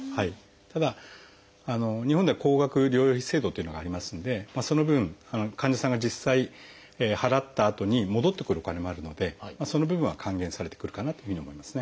ただ日本では高額療養費制度というのがありますのでその分患者さんが実際払ったあとに戻ってくるお金もあるのでその部分は還元されてくるかなというふうに思いますね。